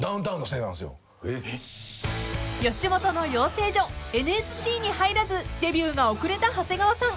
［吉本の養成所ＮＳＣに入らずデビューが遅れた長谷川さん］